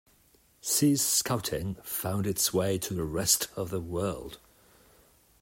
Sea Scouting found its way to the rest of the world.